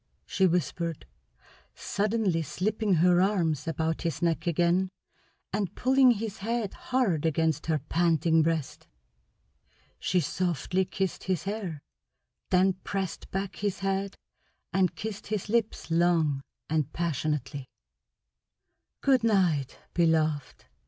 she whispered, suddenly slipping her arms about his neck again and pulling his head hard against her panting breast. She softly kissed his hair, then pressed back his head and kissed his lips long and passionately. "Good night, beloved!"